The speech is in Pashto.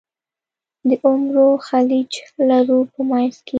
د عمرو خلیج لرو په منځ کې.